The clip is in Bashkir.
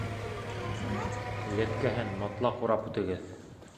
Лепкәһен мотлаҡ урап үтегеҙ!